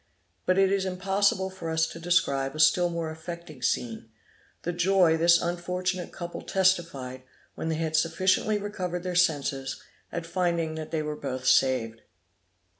But it is impossible for us to describe a still more affecting scene, the joy this unfortunate couple testified, when they had sufficiently recovered their senses, at finding that they were both saved.